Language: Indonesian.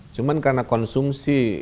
cuman karena konsumsi